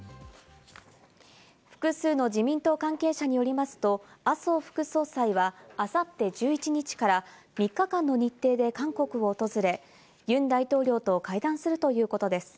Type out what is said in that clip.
複数の自民党関係者によりますと、麻生副総裁は明後日１１日から３日間の日程で韓国を訪れ、ユン大統領と会談するということです。